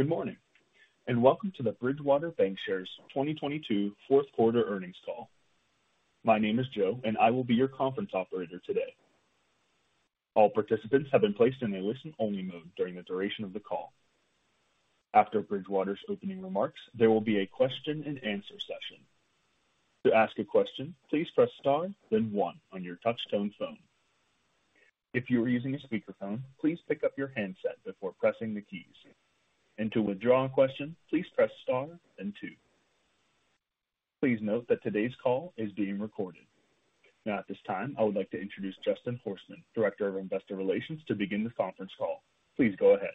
Good morning, and welcome to the Bridgewater Bancshares 2022 Q4 Earnings Call. My name is Joe, and I will be your conference operator today. All participants have been placed in a listen-only mode during the duration of the call. After Bridgewater's opening remarks, there will be a question-and-answer session. To ask a question, please press Star, then one on your touchtone phone. If you are using a speakerphone, please pick up your handset before pressing the keys. To withdraw a question, please press Star then two. Please note that today's call is being recorded. At this time, I would like to introduce Justin Horstman, Director of Investor Relations, to begin this conference call. Please go ahead.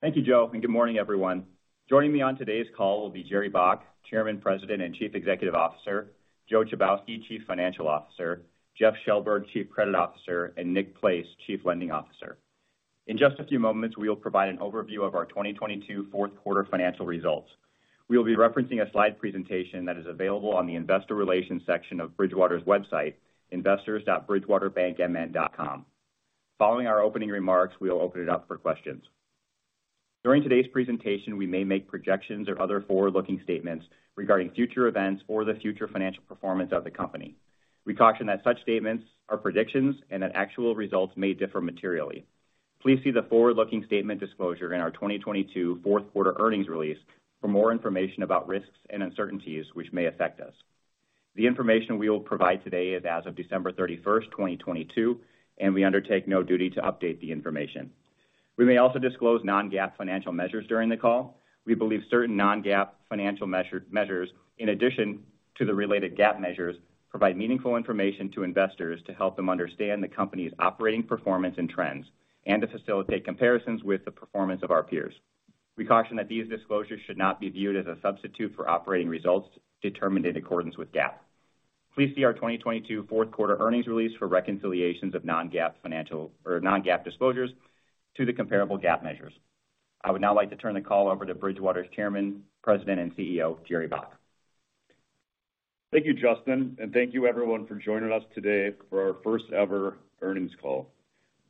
Thank you, Joe, and good morning, everyone. Joining me on today's call will be Jerry Baack, Chairman, President, and Chief Executive Officer, Joseph Chybowski, Chief Financial Officer, Jeffrey Shellberg, Chief Credit Officer, and Nicholas Place, Chief Lending Officer. In just a few moments, we will provide an overview of our 2022 Q4 financial results. We will be referencing a slide presentation that is available on the investor relations section of Bridgewater's website, investors.bridgewaterbankmn.com. Following our opening remarks, we will open it up for questions. During today's presentation, we may make projections or other forward looking statements regarding future events or the future financial performance of the company. We caution that such statements are predictions and that actual results may differ materially. Please see the forward looking statement disclosure in our 2022 Q4 earnings release for more information about risks and uncertainties which may affect us. The information we will provide today is as of December 31st, 2022. We undertake no duty to update the information. We may also disclose non-GAAP financial measures during the call. We believe certain non-GAAP financial measures, in addition to the related GAAP measures, provide meaningful information to investors to help them understand the company's operating performance and trends, to facilitate comparisons with the performance of our peers. We caution that these disclosures should not be viewed as a substitute for operating results determined in accordance with GAAP. Please see our 2022 Q4 earnings release for reconciliations of non-GAAP financial or non-GAAP disclosures to the comparable GAAP measures. I would now like to turn the call over to Bridgewater's Chairman, President, and CEO, Jerry Baack. Thank you, Justin. Thank you everyone for joining us today for our first-ever earnings call.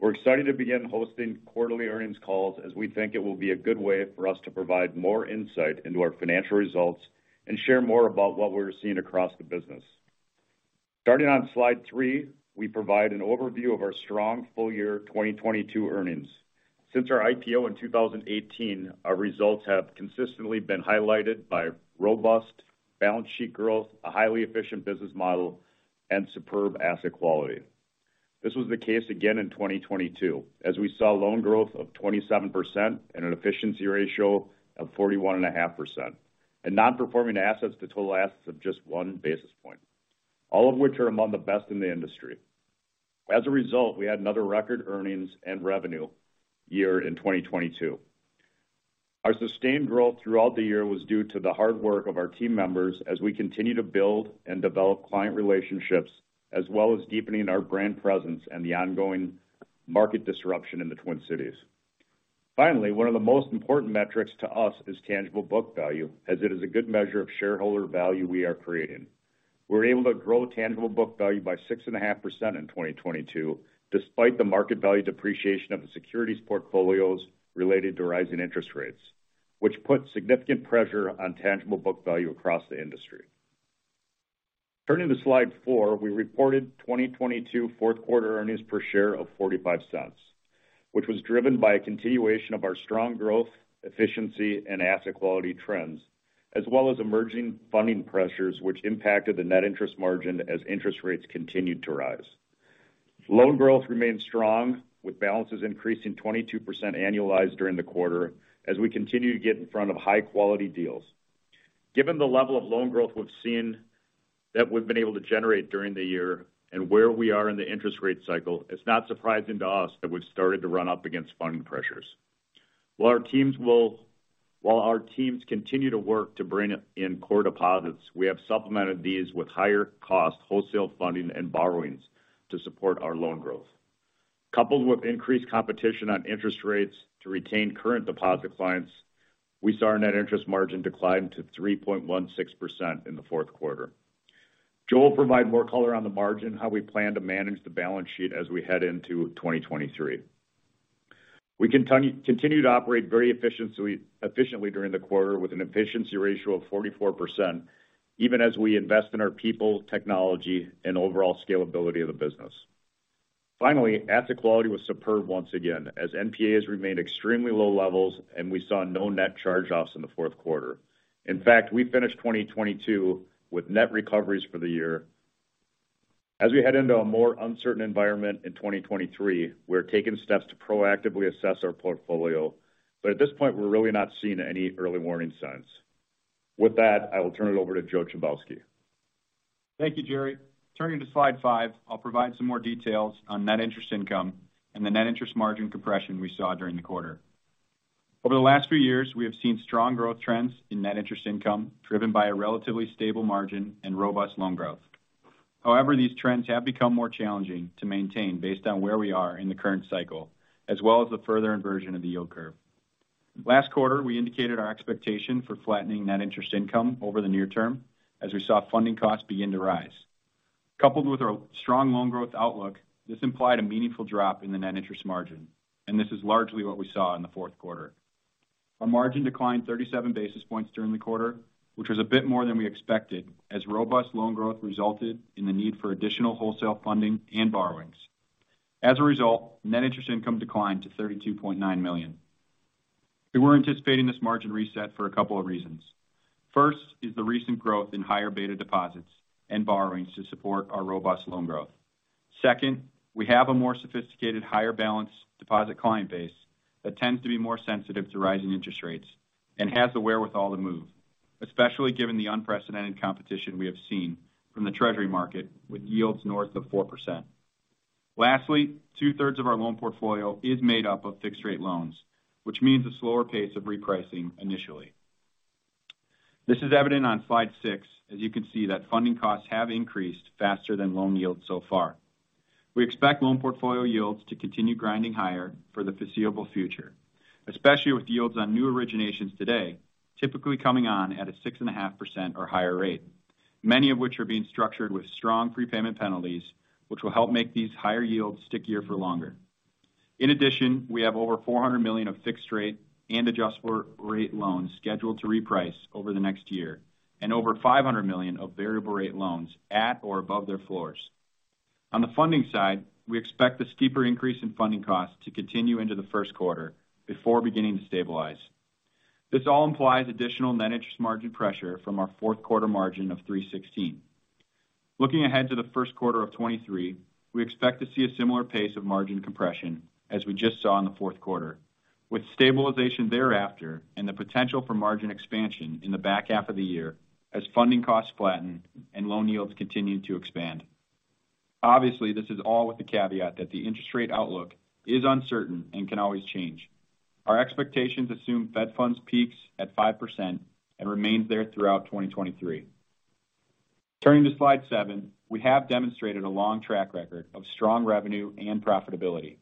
We're excited to begin hosting quarterly earnings calls as we think it will be a good way for us to provide more insight into our financial results and share more about what we're seeing across the business. Starting on slide three, we provide an overview of our strong full year 2022 earnings. Since our IPO in 2018, our results have consistently been highlighted by robust balance sheet growth, a highly efficient business model, and superb asset quality. This was the case again in 2022, as we saw loan growth of 27% and an efficiency ratio of 41.5%, and non-performing assets to total assets of just 1 basis point, all of which are among the best in the industry. As a result, we had another record earnings and revenue year in 2022. Our sustained growth throughout the year was due to the hard work of our team members as we continue to build and develop client relationships, as well as deepening our brand presence and the ongoing market disruption in the Twin Cities. Finally, one of the most important metrics to us is tangible book value, as it is a good measure of shareholder value we are creating. We're able to grow tangible book value by 6.5% in 2022, despite the market value depreciation of the securities portfolios related to rising interest rates, which put significant pressure on tangible book value across the industry. Turning to slide four, we reported 2022 Q4 earnings per share of $0.45, which was driven by a continuation of our strong growth, efficiency and asset quality trends, as well as emerging funding pressures which impacted the net interest margin as interest rates continued to rise. Loan growth remained strong with balances increasing 22% annualized during the quarter as we continue to get in front of high-quality deals. Given the level of loan growth we've seen that we've been able to generate during the year and where we are in the interest rate cycle, it's not surprising to us that we've started to run up against funding pressures. While our teams continue to work to bring in core deposits, we have supplemented these with higher cost wholesale funding and borrowings to support our loan growth. Coupled with increased competition on interest rates to retain current deposit clients, we saw our net interest margin decline to 3.16% in the Q4. Joe will provide more color on the margin, how we plan to manage the balance sheet as we head into 2023. We continue to operate very efficiently during the quarter with an efficiency ratio of 44%, even as we invest in our people, technology, and overall scalability of the business. Finally, asset quality was superb once again as NPA has remained extremely low levels and we saw no net charge-offs in the Q4. In fact, we finished 2022 with net recoveries for the year. As we head into a more uncertain environment in 2023, we're taking steps to proactively assess our portfolio, but at this point, we're really not seeing any early warning signs. With that, I will turn it over to Joseph Chybowski. Thank you, Jerry. Turning to slide five, I'll provide some more details on net interest income and the net interest margin compression we saw during the quarter. Over the last few years, we have seen strong growth trends in net interest income, driven by a relatively stable margin and robust loan growth. These trends have become more challenging to maintain based on where we are in the current cycle, as well as the further inversion of the yield curve. Last quarter, we indicated our expectation for flattening net interest income over the near term as we saw funding costs begin to rise. Coupled with our strong loan growth outlook, this implied a meaningful drop in the net interest margin. This is largely what we saw in the Q4. Our margin declined 37 basis points during the quarter, which was a bit more than we expected, as robust loan growth resulted in the need for additional wholesale funding and borrowings. As a result, net interest income declined to $32.9 million. We were anticipating this margin reset for a couple of reasons. First is the recent growth in higher beta deposits and borrowings to support our robust loan growth. Second, we have a more sophisticated, higher balance deposit client base that tends to be more sensitive to rising interest rates and has the wherewithal to move, especially given the unprecedented competition we have seen from the Treasury market with yields north of 4%. Lastly, two-thirds of our loan portfolio is made up of fixed-rate loans, which means a slower pace of repricing initially. This is evident on slide six, as you can see that funding costs have increased faster than loan yields so far. We expect loan portfolio yields to continue grinding higher for the foreseeable future, especially with yields on new originations today, typically coming on at a 6.5% or higher rate, many of which are being structured with strong prepayment penalties, which will help make these higher yields stickier for longer. In addition, we have over $400 million of fixed-rate and adjustable-rate loans scheduled to reprice over the next year and over $500 million of variable-rate loans at or above their floors. On the funding side, we expect the steeper increase in funding costs to continue into the Q1 before beginning to stabilize. This all implies additional net interest margin pressure from our Q4 margin of 3.16%. Looking ahead to the Q1 of 2023, we expect to see a similar pace of margin compression as we just saw in the Q4, with stabilization thereafter and the potential for margin expansion in the back half of the year as funding costs flatten and loan yields continue to expand. Obviously, this is all with the caveat that the interest rate outlook is uncertain and can always change. Our expectations assume Fed Funds peaks at 5% and remains there throughout 2023. Turning to slide seven. We have demonstrated a long track record of strong revenue and profitability.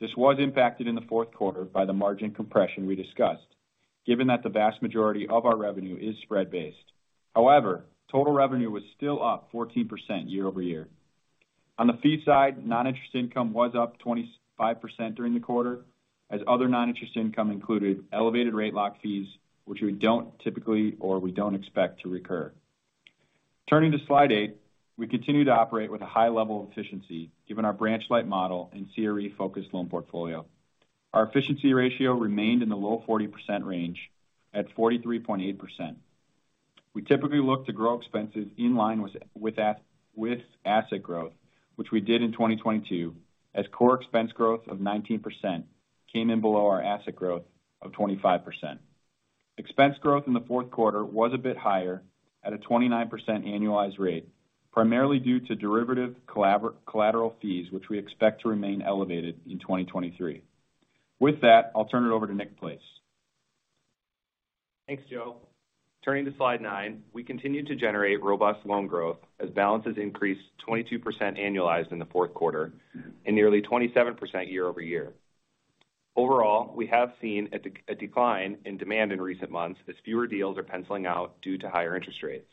This was impacted in the Q4 by the margin compression we discussed, given that the vast majority of our revenue is spread-based. Total revenue was still up 14% year-over-year. On the fee side, non-interest income was up 25% during the quarter, as other non-interest income included elevated rate lock fees, which we don't typically or we don't expect to recur. Turning to slide eight. We continue to operate with a high level of efficiency, given our branch-light model and CRE-focused loan portfolio. Our efficiency ratio remained in the low 40% range at 43.8%. We typically look to grow expenses in line with asset growth, which we did in 2022, as core expense growth of 19% came in below our asset growth of 25%. Expense growth in the Q4 was a bit higher at a 29% annualized rate, primarily due to derivative collateral fees, which we expect to remain elevated in 2023. With that, I'll turn it over to Nicholas Place. Thanks, Joe. Turning to slide nine. We continue to generate robust loan growth as balances increased 22% annualized in the Q4 and nearly 27% year-over-year. Overall, we have seen a decline in demand in recent months as fewer deals are penciling out due to higher interest rates.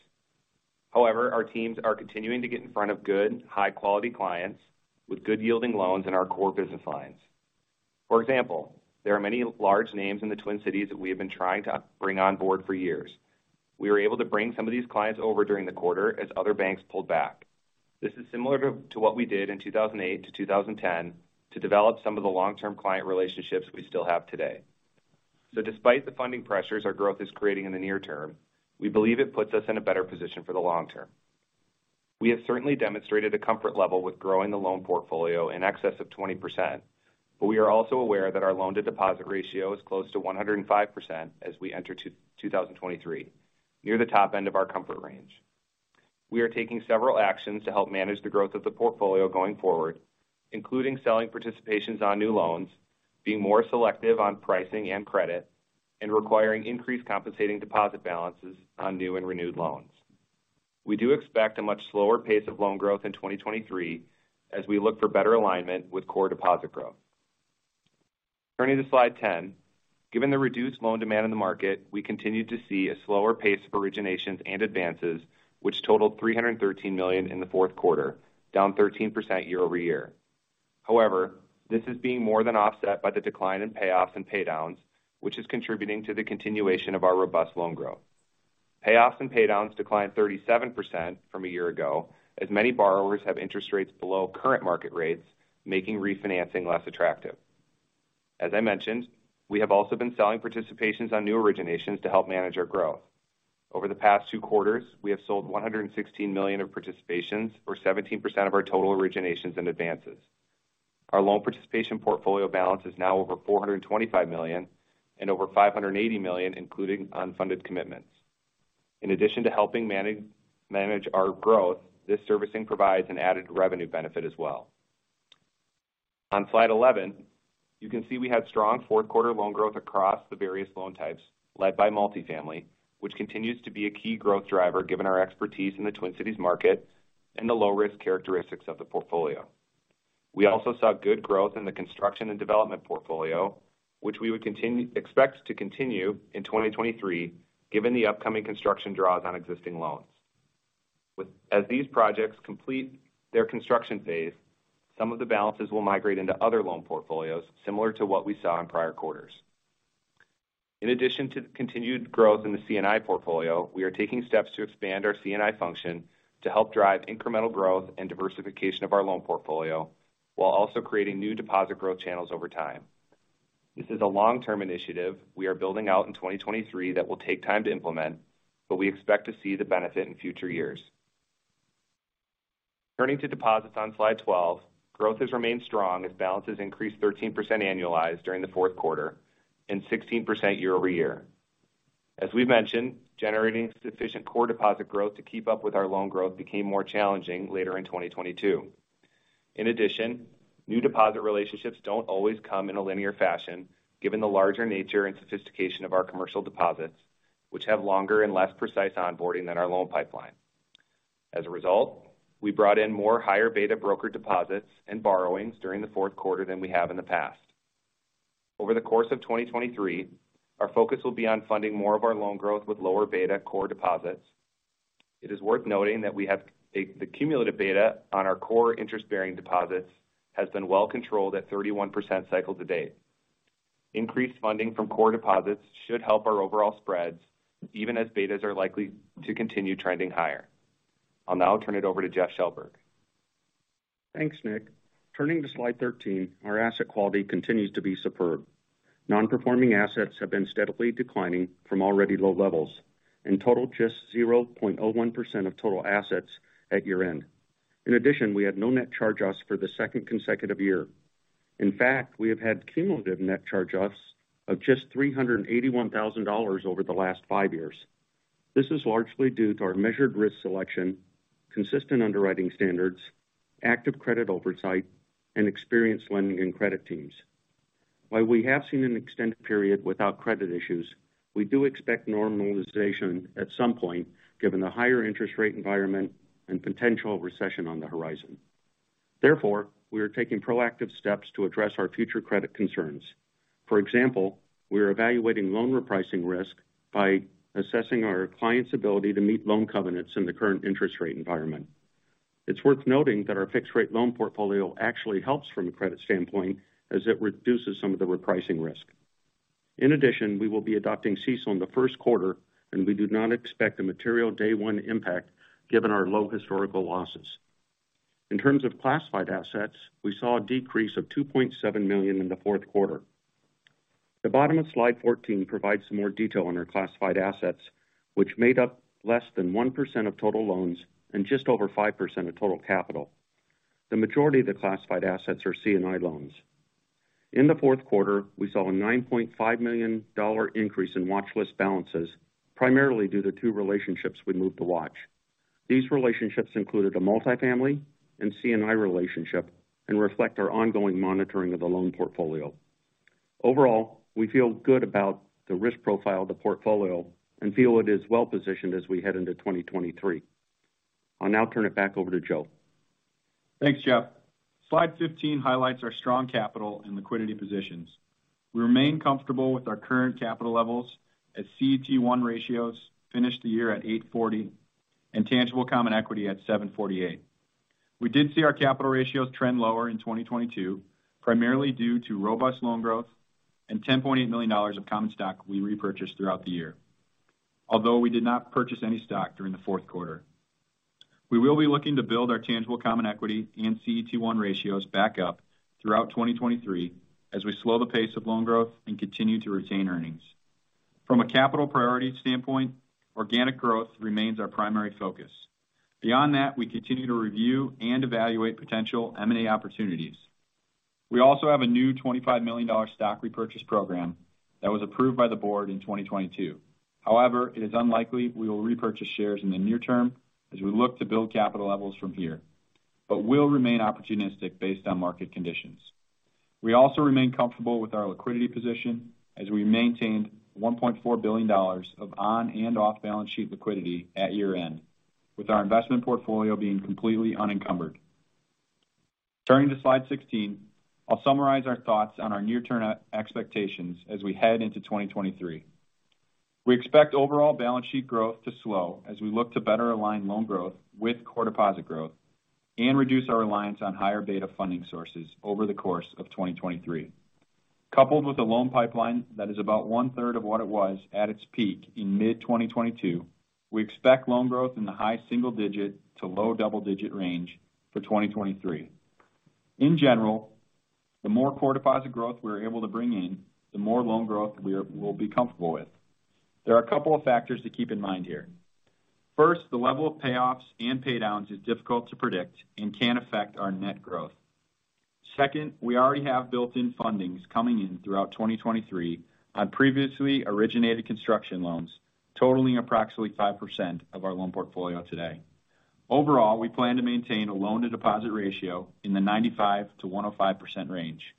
Our teams are continuing to get in front of good, high quality clients with good yielding loans in our core business lines. For example, there are many large names in the Twin Cities that we have been trying to bring on board for years. We were able to bring some of these clients over during the quarter as other banks pulled back. This is similar to what we did in 2008 to 2010 to develop some of the long-term client relationships we still have today. Despite the funding pressures our growth is creating in the near term, we believe it puts us in a better position for the long term. We have certainly demonstrated a comfort level with growing the loan portfolio in excess of 20%, but we are also aware that our loan to deposit ratio is close to 105% as we enter 2023, near the top end of our comfort range. We are taking several actions to help manage the growth of the portfolio going forward, including selling participations on new loans, being more selective on pricing and credit, and requiring increased compensating deposit balances on new and renewed loans. We do expect a much slower pace of loan growth in 2023 as we look for better alignment with core deposit growth. Turning to slide 10. Given the reduced loan demand in the market, we continue to see a slower pace of originations and advances which totaled $313 million in the Q4, down 13% year-over-year. This is being more than offset by the decline in payoffs and pay downs, which is contributing to the continuation of our robust loan growth. Payoffs and pay downs declined 37% from a year ago, as many borrowers have interest rates below current market rates, making refinancing less attractive. As I mentioned, we have also been selling participations on new originations to help manage our growth. Over the past two quarters, we have sold $116 million of participations or 17% of our total originations and advances. Our loan participation portfolio balance is now over $425 million and over $580 million, including unfunded commitments. In addition to helping manage our growth, this servicing provides an added revenue benefit as well. On slide 11, you can see we had strong Q4 loan growth across the various loan types led by multifamily, which continues to be a key growth driver given our expertise in the Twin Cities market and the low risk characteristics of the portfolio. We also saw good growth in the construction and development portfolio, which we expect to continue in 2023, given the upcoming construction draws on existing loans. As these projects complete their construction phase, some of the balances will migrate into other loan portfolios similar to what we saw in prior quarters. In addition to the continued growth in the C&I portfolio, we are taking steps to expand our C&I function to help drive incremental growth and diversification of our loan portfolio while also creating new deposit growth channels over time. This is a long-term initiative we are building out in 2023 that will take time to implement, but we expect to see the benefit in future years. Turning to deposits on slide 12. Growth has remained strong as balances increased 13% annualized during the Q4 and 16% year-over-year. As we've mentioned, generating sufficient core deposit growth to keep up with our loan growth became more challenging later in 2022. New deposit relationships don't always come in a linear fashion, given the larger nature and sophistication of our commercial deposits, which have longer and less precise onboarding than our loan pipeline. We brought in more higher beta broker deposits and borrowings during the Q4 than we have in the past. Over the course of 2023, our focus will be on funding more of our loan growth with lower beta core deposits. It is worth noting that the cumulative beta on our core interest-bearing deposits has been well controlled at 31% cycle to date. Increased funding from core deposits should help our overall spreads, even as betas are likely to continue trending higher. I'll now turn it over to Jeff Shellberg. Thanks, Nick. Turning to slide 13. Our asset quality continues to be superb. Non-performing assets have been steadily declining from already low levels and total just 0.01% of total assets at year-end. We had no net charge-offs for the second consecutive year. We have had cumulative net charge-offs of just $381,000 over the last five years. This is largely due to our measured risk selection, consistent underwriting standards, active credit oversight, and experienced lending and credit teams. While we have seen an extended period without credit issues, we do expect normalization at some point, given the higher interest rate environment and potential recession on the horizon. We are taking proactive steps to address our future credit concerns. For example, we are evaluating loan repricing risk by assessing our clients' ability to meet loan covenants in the current interest rate environment. It's worth noting that our fixed rate loan portfolio actually helps from a credit standpoint as it reduces some of the repricing risk. In addition, we will be adopting CECL in the Q1, and we do not expect a material day one impact given our low historical losses. In terms of classified assets, we saw a decrease of $2.7 million in the Q4. The bottom of slide 14 provides some more detail on our classified assets, which made up less than 1% of total loans and just over 5% of total capital. The majority of the classified assets are C&I loans. In the Q4, we saw a $9.5 million increase in watchlist balances, primarily due to two relationships we moved to watch. These relationships included a multifamily and C&I relationship and reflect our ongoing monitoring of the loan portfolio. Overall, we feel good about the risk profile of the portfolio and feel it is well positioned as we head into 2023. I'll now turn it back over to Joe. Thanks, Jeff. Slide 15 highlights our strong capital and liquidity positions. We remain comfortable with our current capital levels as CET1 ratios finished the year at 8.40% and tangible common equity at 7.48%. We did see our capital ratios trend lower in 2022, primarily due to robust loan growth and $10.8 million of common stock we repurchased throughout the year. We did not purchase any stock during the Q4. We will be looking to build our tangible common equity and CET1 ratios back up throughout 2023 as we slow the pace of loan growth and continue to retain earnings. From a capital priority standpoint, organic growth remains our primary focus. Beyond that, we continue to review and evaluate potential M&A opportunities. We also have a new $25 million stock repurchase program that was approved by the board in 2022. It is unlikely we will repurchase shares in the near term as we look to build capital levels from here, but will remain opportunistic based on market conditions. We also remain comfortable with our liquidity position as we maintained $1.4 billion of on and off-balance sheet liquidity at year-end, with our investment portfolio being completely unencumbered. Turning to slide 16. I'll summarize our thoughts on our near-term expectations as we head into 2023. We expect overall balance sheet growth to slow as we look to better align loan growth with core deposit growth and reduce our reliance on higher beta funding sources over the course of 2023. Coupled with a loan pipeline that is about one-third of what it was at its peak in mid-2022, we expect loan growth in the high single-digit to low double-digit range for 2023. In general, the more core deposit growth we are able to bring in, the more loan growth we'll be comfortable with. There are a couple of factors to keep in mind here. First, the level of payoffs and pay downs is difficult to predict and can affect our net growth. Second, we already have built-in fundings coming in throughout 2023 on previously originated construction loans, totaling approximately 5% of our loan portfolio today. Overall, we plan to maintain a loan-to-deposit ratio in the 95%-105% range.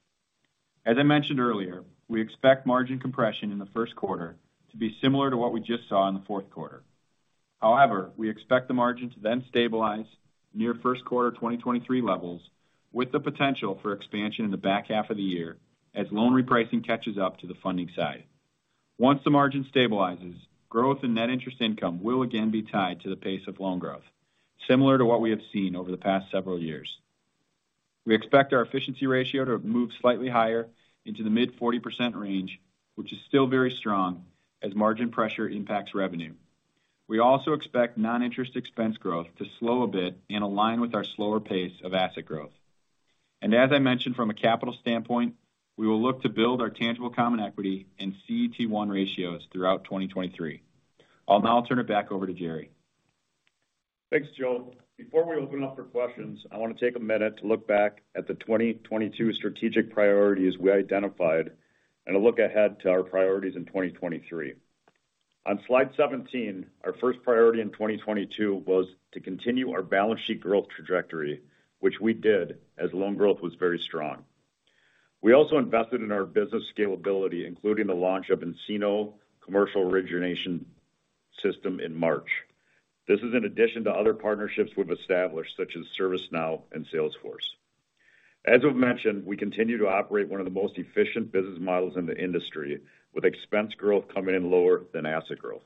As I mentioned earlier, we expect margin compression in the Q1 to be similar to what we just saw in the Q4. We expect the margin to then stabilize near Q1 2023 levels, with the potential for expansion in the back half of the year as loan repricing catches up to the funding side. Once the margin stabilizes, growth in net interest income will again be tied to the pace of loan growth, similar to what we have seen over the past several years. We expect our efficiency ratio to move slightly higher into the mid 40% range, which is still very strong as margin pressure impacts revenue. We also expect non-interest expense growth to slow a bit and align with our slower pace of asset growth. As I mentioned, from a capital standpoint, we will look to build our tangible common equity and CET1 ratios throughout 2023. I'll now turn it back over to Jerry. Thanks, Joe. Before we open up for questions, I want to take a minute to look back at the 2022 strategic priorities we identified and a look ahead to our priorities in 2023. On slide 17, our first priority in 2022 was to continue our balance sheet growth trajectory, which we did as loan growth was very strong. We also invested in our business scalability, including the launch of nCino commercial origination system in March. This is in addition to other partnerships we've established, such as ServiceNow and Salesforce. As we've mentioned, we continue to operate one of the most efficient business models in the industry, with expense growth coming in lower than asset growth.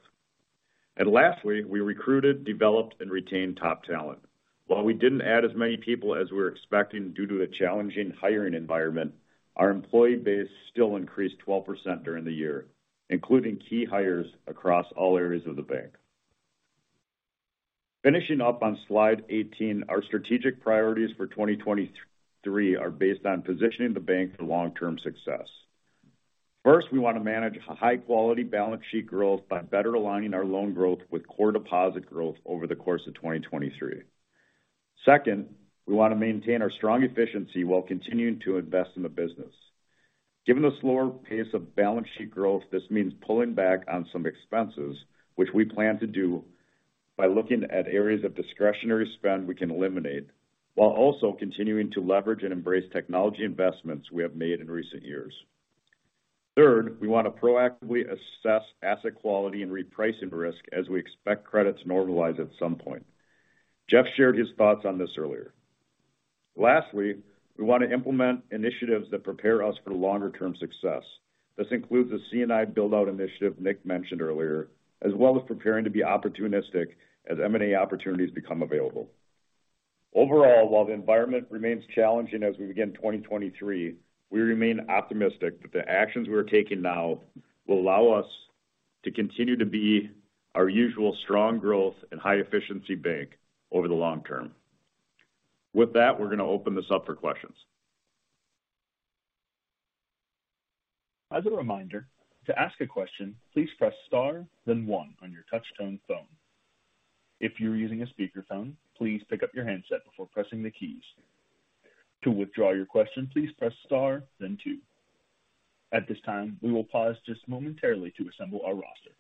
Lastly, we recruited, developed, and retained top talent. While we didn't add as many people as we were expecting due to the challenging hiring environment, our employee base still increased 12% during the year, including key hires across all areas of the bank. Finishing up on slide 18, our strategic priorities for 2023 are based on positioning the bank for long-term success. First, we want to manage high-quality balance sheet growth by better aligning our loan growth with core deposit growth over the course of 2023. Second, we want to maintain our strong efficiency while continuing to invest in the business. Given the slower pace of balance sheet growth, this means pulling back on some expenses, which we plan to do by looking at areas of discretionary spend we can eliminate, while also continuing to leverage and embrace technology investments we have made in recent years. Third, we want to proactively assess asset quality and repricing risk as we expect credit to normalize at some point. Jeff shared his thoughts on this earlier. Lastly, we want to implement initiatives that prepare us for longer-term success. This includes the C&I build-out initiative Nick mentioned earlier, as well as preparing to be opportunistic as M&A opportunities become available. Overall, while the environment remains challenging as we begin 2023, we remain optimistic that the actions we are taking now will allow us to continue to be our usual strong growth and high efficiency bank over the long term. With that, we're going to open this up for questions. As a reminder, to ask a question, please press star then one on your touch-tone phone. If you're using a speakerphone, please pick up your handset before pressing the keys. To withdraw your question, please press star then two. At this time, we will pause just momentarily to assemble our roster.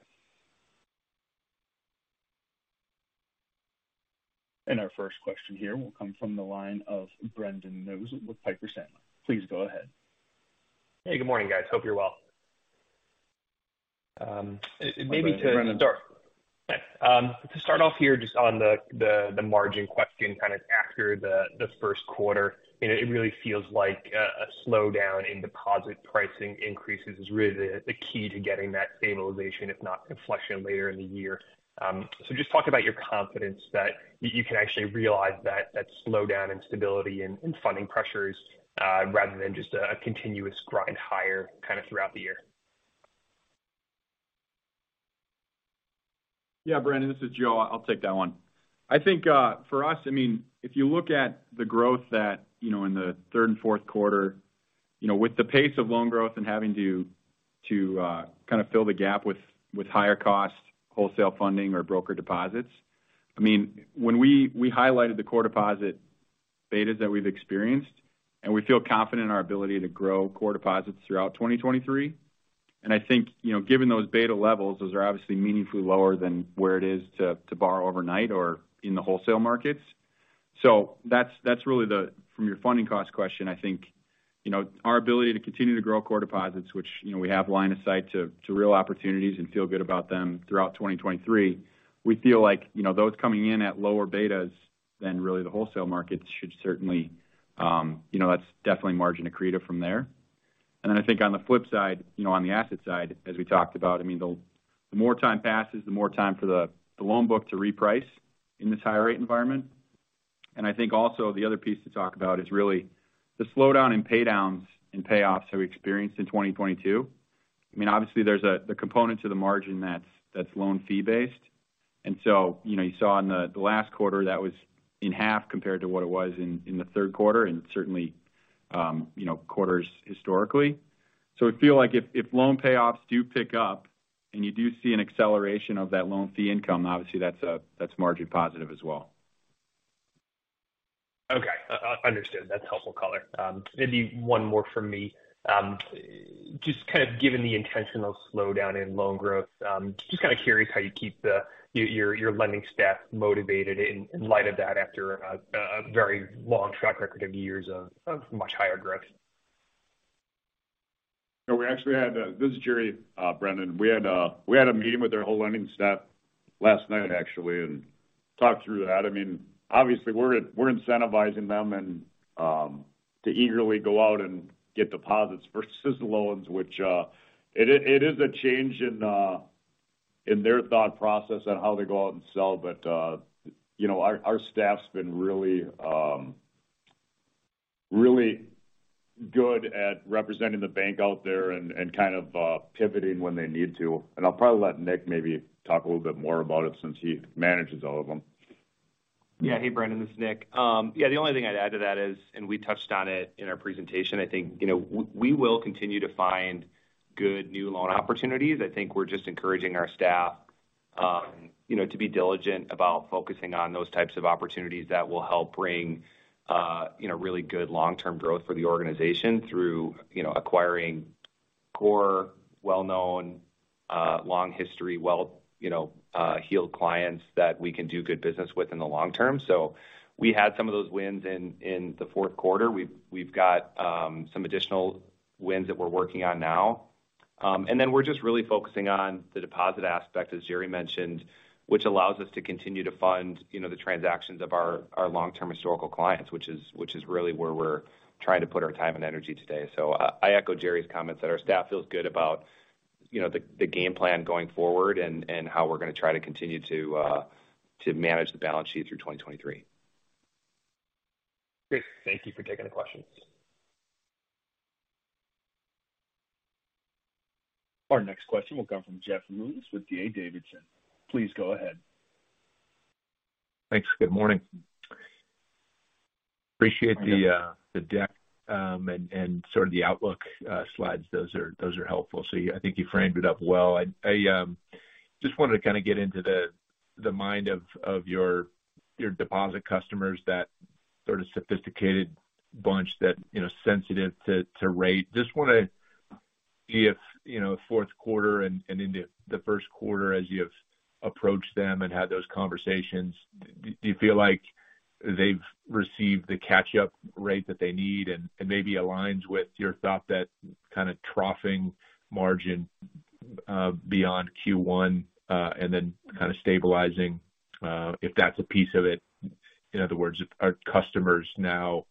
Our first question here will come from the line of Brendan Nosal with Piper Sandler. Please go ahead. Hey, good morning, guys. Hope you're well. Hi, Brendan. Sorry. To start off here just on the margin question kind of after the Q1. You know, it really feels like a slowdown in deposit pricing increases is really the key to getting that stabilization, if not inflection later in the year. Just talk about your confidence that you can actually realize that slowdown in stability in funding pressures, rather than just a continuous grind higher kind of throughout the year? Yeah. Brendan, this is Joe. I'll take that one. I think, for us, I mean, if you look at the growth that, you know, in the third and Q4. You know, with the pace of loan growth and having to kind of fill the gap with higher cost wholesale funding or broker deposits. I mean, when we highlighted the core deposit betas that we've experienced, and we feel confident in our ability to grow core deposits throughout 2023. I think, you know, given those beta levels, those are obviously meaningfully lower than where it is to borrow overnight or in the wholesale markets. That's really the from your funding cost question, I think, you know, our ability to continue to grow core deposits, which, you know, we have line of sight to real opportunities and feel good about them throughout 2023. We feel like, you know, those coming in at lower betas than really the wholesale markets should certainly, you know, that's definitely margin accretive from there. Then I think on the flip side, you know, on the asset side, as we talked about, I mean, the more time passes, the more time for the loan book to reprice in this high rate environment. I think also the other piece to talk about is really the slowdown in pay downs and payoffs that we experienced in 2022. I mean, obviously there's the component to the margin that's loan fee based. You know, you saw in the last quarter that was in half compared to what it was in the Q3 and certainly, you know, quarters historically. We feel like if loan payoffs do pick up and you do see an acceleration of that loan fee income, obviously that's a, that's margin positive as well. Okay. Understood. That's helpful color. Maybe one more from me. Just kind of given the intentional slowdown in loan growth, just kind of curious how you keep your lending staff motivated in light of that after a very long track record of years of much higher growth? No, we actually had this is Jerry, Brendan. We had a meeting with our whole lending staff last night, actually, and talked through that. I mean, obviously, we're incentivizing them and to eagerly go out and get deposits versus loans, which it is a change in their thought process on how they go out and sell. you know, our staff's been really good at representing the bank out there and kind of pivoting when they need to. I'll probably let Nick maybe talk a little bit more about it since he manages all of them. Yeah. Hey, Brendan, this is Nick. Yeah, the only thing I'd add to that is, and we touched on it in our presentation, I think, you know, we will continue to find good new loan opportunities. I think we're just encouraging our staff, you know, to be diligent about focusing on those types of opportunities that will help bring, you know, really good long-term growth for the organization through, you know, acquiring core, well-known, long history, well, you know, heeled clients that we can do good business with in the long term. We had some of those wins in the Q4. We've got some additional wins that we're working on now. We're just really focusing on the deposit aspect, as Jerry mentioned, which allows us to continue to fund, you know, the transactions of our long-term historical clients, which is really where we're trying to put our time and energy today. I echo Jerry's comments that our staff feels good about, you know, the game plan going forward and how we're gonna try to continue to manage the balance sheet through 2023. Great. Thank you for taking the question. Our next question will come from Jeff Rulis with D.A. Davidson. Please go ahead. Thanks. Good morning. Appreciate the deck and sort of the outlook slides. Those are helpful. I think you framed it up well. I just wanted to kind of get into the mind of your deposit customers, that, you know, sensitive to rate. Just want to see if, you know, Q4 and into the Q1 as you've approached them and had those conversations, do you feel like they've received the catch-up rate that they need and maybe aligns with your thought that kind of troughing margin beyond Q1 and then kind of stabilizing if that's a piece of it? In other words, are customers now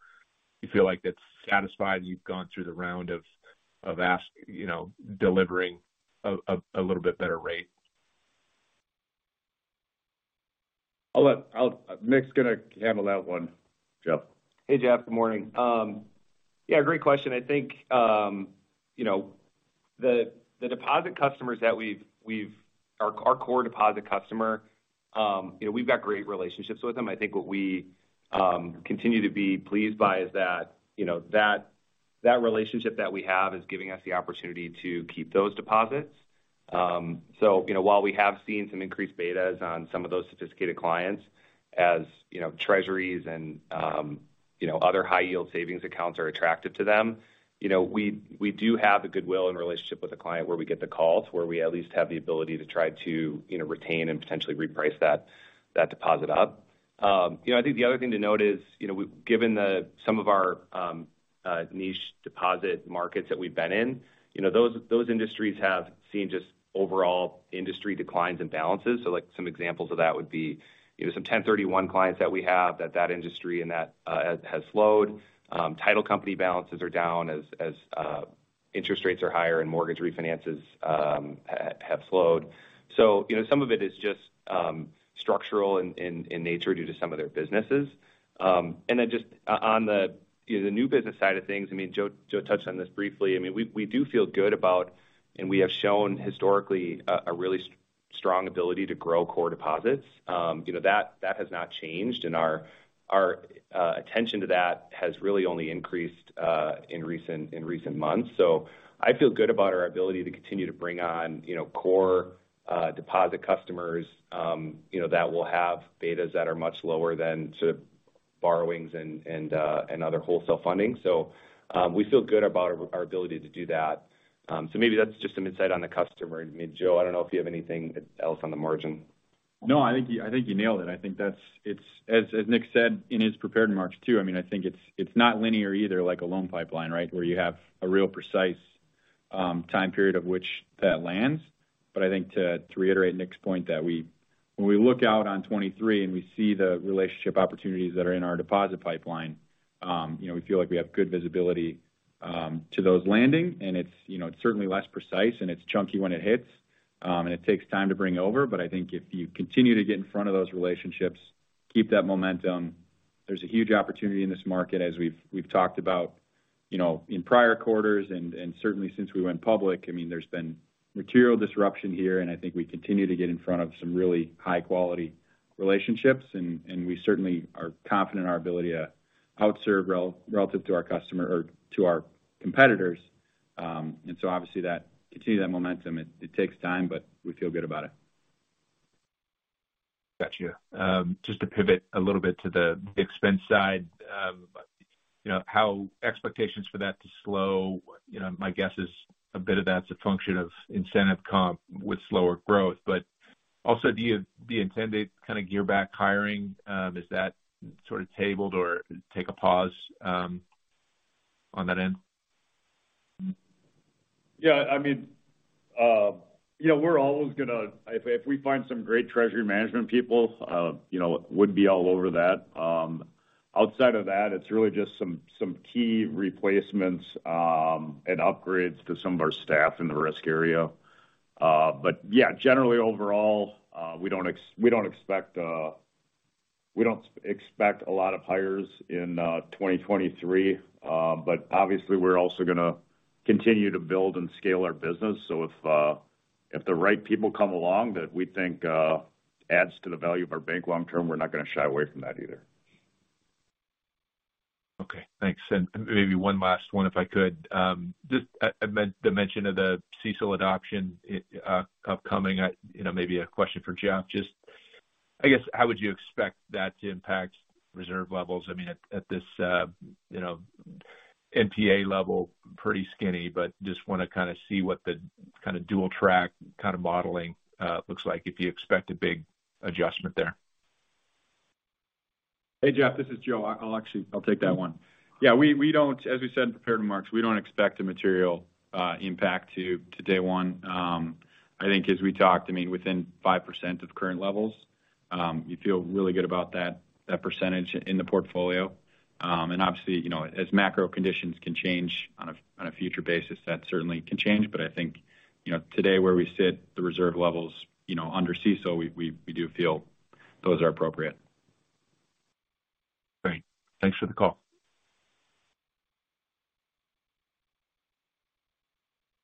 you feel like that's satisfied you've gone through the round of, you know, delivering a little bit better rate? Nick's gonna handle that one, Jeff. Hey, Jeff, good morning. Great question. I think, you know, the deposit customers that our core deposit customer, you know, we've got great relationships with them. I think what we continue to be pleased by is that, you know, that relationship that we have is giving us the opportunity to keep those deposits. You know, while we have seen some increased betas on some of those sophisticated clients, as, you know, Treasuries and, you know, other high-yield savings accounts are attractive to them. You know, we do have the goodwill and relationship with a client where we get the calls, where we at least have the ability to try to, you know, retain and potentially reprice that deposit up. You know, I think the other thing to note is, you know, given some of our niche deposit markets that we've been in, you know, those industries have seen just overall industry declines and balances. Like some examples of that would be, you know, some 1031 clients that we have, that that industry and that has slowed. Title company balances are down as interest rates are higher and mortgage refinances have slowed. You know, some of it is just structural in nature due to some of their businesses. Just on the, you know, the new business side of things, I mean, Joe touched on this briefly. I mean, we do feel good about and we have shown historically a really strong ability to grow core deposits. You know, that has not changed. Our attention to that has really only increased in recent months. I feel good about our ability to continue to bring on, you know, core deposit customers, you know, that will have betas that are much lower than sort of borrowings and other wholesale funding. We feel good about our ability to do that. Maybe that's just some insight on the customer. I mean, Joe, I don't know if you have anything else on the margin. No, I think, I think you nailed it. I think it's as Nick said in his prepared remarks, too, I mean, I think it's not linear either, like a loan pipeline, right? Where you have a real precise time period of which that lands. I think to reiterate Nick's point that when we look out on 23 and we see the relationship opportunities that are in our deposit pipeline, you know, we feel like we have good visibility to those landing. It's, you know, it's certainly less precise and it's chunky when it hits. It takes time to bring over. I think if you continue to get in front of those relationships, keep that momentum. There's a huge opportunity in this market as we've talked about, you know, in prior quarters and certainly since we went public. I mean, there's been material disruption here, and I think we continue to get in front of some really high-quality relationships. We certainly are confident in our ability to outserve relative to our customer or to our competitors. Obviously that continue that momentum. It takes time, but we feel good about it. Gotcha. Just to pivot a little bit to the expense side. You know, how expectations for that to slow. You know, my guess is a bit of that's a function of incentive comp with slower growth. Also, do you intend to kind of gear back hiring? Is that sort of tabled or take a pause on that end? Yeah, I mean, you know, we're always gonna If we find some great treasury management people, you know, would be all over that. Outside of that, it's really just some key replacements and upgrades to some of our staff in the risk area. Yeah, generally overall, we don't expect a lot of hires in 2023. Obviously we're also gonna continue to build and scale our business. If the right people come along that we think adds to the value of our bank long term, we're not gonna shy away from that either. Okay. Thanks. Maybe one last one, if I could. Just a dimension of the CECL adoption, upcoming. You know, maybe a question for Jeff. Just, I guess, how would you expect that to impact reserve levels? I mean, at this, you know, NPA level, pretty skinny, but just wanna kinda see what the kinda dual track kinda modeling looks like if you expect a big adjustment there? Hey, Jeff, this is Joe. I'll actually take that one. We don't. As we said in prepared remarks, we don't expect a material impact to day one. I think as we talked, I mean, within 5% of current levels, you feel really good about that percentage in the portfolio. Obviously, you know, as macro conditions can change on a future basis, that certainly can change. I think, you know, today where we sit the reserve levels, you know, under CECL, we do feel those are appropriate. Great. Thanks for the call.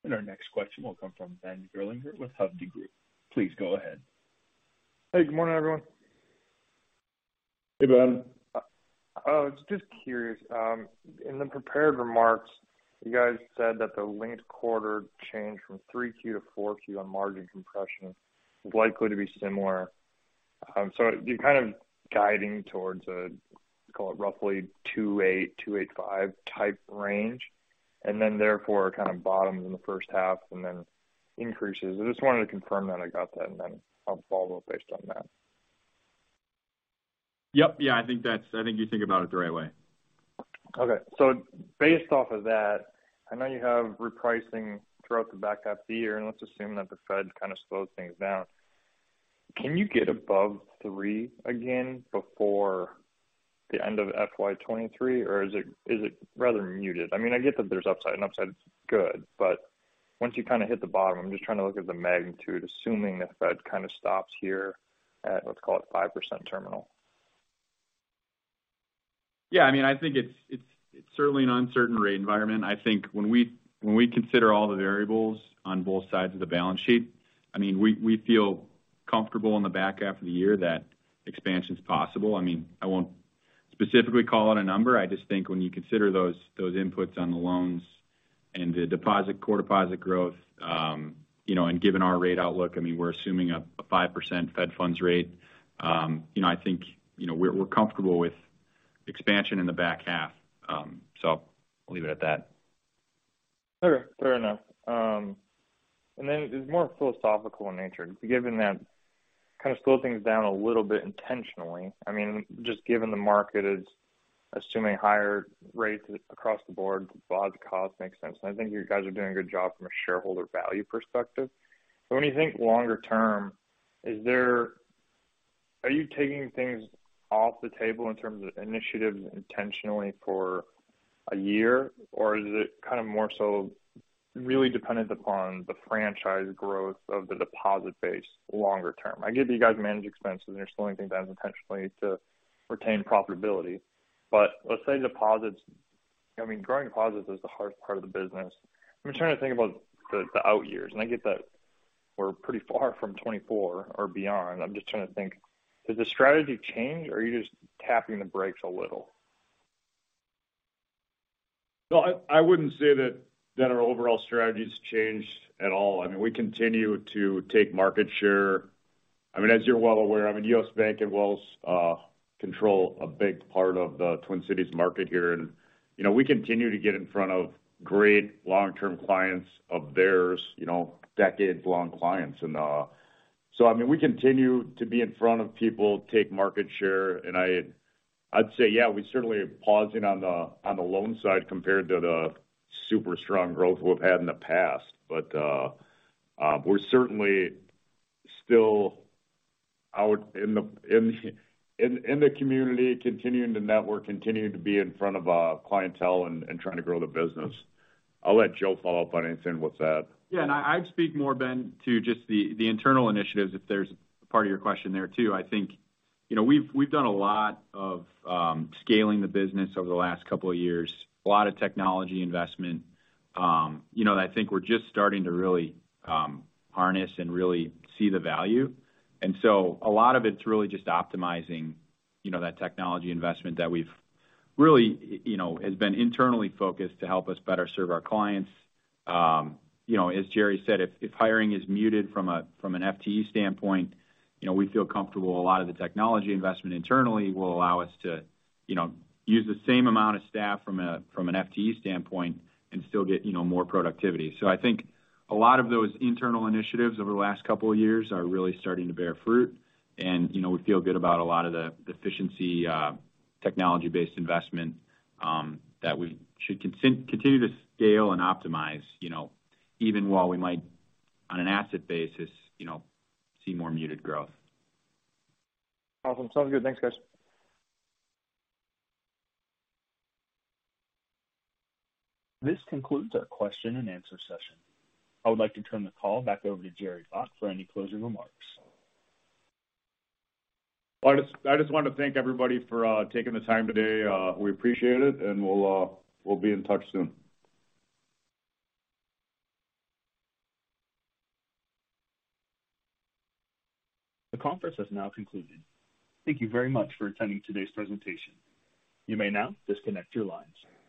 Our next question will come from Ben Gerlinger with Hovde Group. Please go ahead. Hey, good morning, everyone. Hey, Ben. Just curious. In the prepared remarks, you guys said that the linked quarter change from 3Q to 4Q on margin compression is likely to be similar. You're kind of guiding towards a, call it, roughly 2.8%-2.85% type range, and then therefore kind of bottoms in the first half and then increases? I just wanted to confirm that I got that, and then I'll follow based on that. Yep. Yeah, I think you think about it the right way. Okay. Based off of that, I know you have repricing throughout the back half of the year, and let's assume that the Fed kind of slows things down. Can you get above three again before the end of FY 2023, or is it rather muted? I mean, I get that there's upside, and upside is good, but once you kind of hit the bottom, I'm just trying to look at the magnitude, assuming the Fed kind of stops here at, let's call it, 5% terminal. I mean, I think it's certainly an uncertain rate environment. I think when we consider all the variables on both sides of the balance sheet, I mean, we feel comfortable in the back half of the year that expansion is possible. I mean, I won't specifically call it a number. I just think when you consider those inputs on the loans and the deposit, core deposit growth, you know, and given our rate outlook, I mean, we're assuming a 5% Fed Funds rate. You know, I think, you know, we're comfortable with expansion in the back half. I'll leave it at that. Okay, fair enough. It's more philosophical in nature. Given that kind of slow things down a little bit intentionally, I mean, just given the market is assuming higher rates across the board, the broad cost makes sense. I think you guys are doing a good job from a shareholder value perspective. When you think longer term, are you taking things off the table in terms of initiatives intentionally for a year, or is it kind of more so really dependent upon the franchise growth of the deposit base longer term? I get that you guys manage expenses and you're slowing things down intentionally to retain profitability. Let's say deposits, I mean, growing deposits is the hard part of the business. I'm trying to think about the out years, and I get that we're pretty far from 2024 or beyond. I'm just trying to think, does the strategy change or are you just tapping the brakes a little? No, I wouldn't say that our overall strategy has changed at all. I mean, we continue to take market share. I mean, as you're well aware, I mean, U.S. Bank and Wells control a big part of the Twin Cities market here. You know, we continue to get in front of great long-term clients of theirs, you know, decades long clients. I mean, we continue to be in front of people, take market share. I'd say, yeah, we're certainly pausing on the loan side compared to the super strong growth we've had in the past. We're certainly still out in the community, continuing to network, continuing to be in front of a clientele and trying to grow the business. I'll let Joe follow up on anything with that. Yeah. I'd speak more, Ben, to just the internal initiatives if there's a part of your question there too. I think, you know, we've done a lot of scaling the business over the last couple of years, a lot of technology investment. You know, I think we're just starting to really harness and really see the value. A lot of it's really just optimizing, you know, that technology investment that we've really, you know, has been internally focused to help us better serve our clients. You know, as Jerry said, if hiring is muted from a, from an FTE standpoint, you know, we feel comfortable a lot of the technology investment internally will allow us to, you know, use the same amount of staff from a, from an FTE standpoint and still get, you know, more productivity. I think a lot of those internal initiatives over the last couple of years are really starting to bear fruit. You know, we feel good about a lot of the efficiency, technology-based investment, that we should continue to scale and optimize, you know, even while we might, on an asset basis, you know, see more muted growth. Awesome. Sounds good. Thanks, guys. This concludes our question and answer session. I would like to turn the call back over to Jerry Baack for any closing remarks. I just want to thank everybody for taking the time today. We appreciate it, and we'll be in touch soon. The conference has now concluded. Thank you very much for attending today's presentation. You may now disconnect your lines.